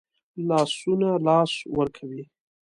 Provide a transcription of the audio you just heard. لاسونه لاس ورکوي